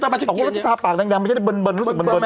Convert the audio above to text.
ต้องกลับออกไปที่ท่าปากแดง